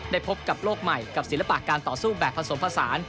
พบกับโลกใหม่กับศิลปะการต่อสู้แบบผสมผสาน